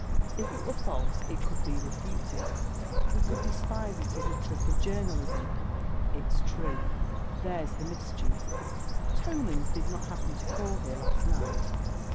If it were false, it could be refuted; we could despise it as a trick of journalism. It's true. There's the mischief. Tonans did not happen to call here last night?